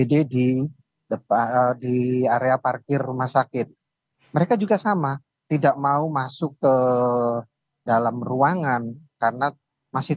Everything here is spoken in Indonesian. di depan di area parkir rumah sakit mereka juga sama tidak mau masuk ke dalam ruangan karena masih